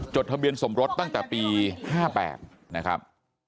ทะเบียนสมรสตั้งแต่ปี๕๘นะครับ